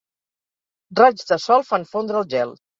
Raigs de sol fan fondre el gel.